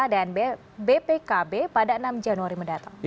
dan bpkb pada enam januari mendatang